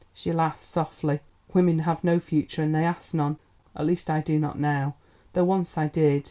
She laughed softly. "Women have no future and they ask none. At least I do not now, though once I did.